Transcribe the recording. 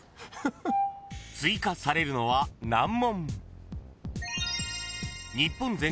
［追加されるのは難問］